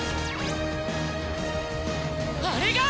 あれが！